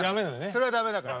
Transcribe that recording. それは駄目だから。